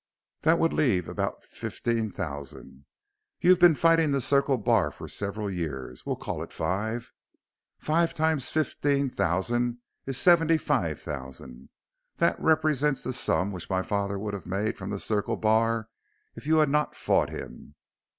That would leave about fifteen thousand. You've been fighting the Circle Bar for several years. We'll call it five. Five times fifteen thousand is seventy five thousand. That represents the sum which my father would have made from the Circle Bar if you had not fought him.